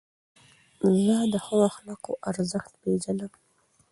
زه د ښو اخلاقو ارزښت پېژنم.